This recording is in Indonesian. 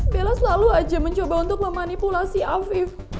bella selalu aja mencoba untuk memanipulasi afif